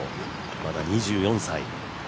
まだ２４歳。